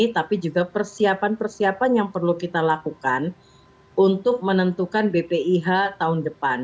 tapi juga persiapan persiapan yang perlu kita lakukan untuk menentukan bpih tahun depan